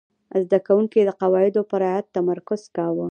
زده کوونکي د قواعدو په رعایت تمرکز کاوه.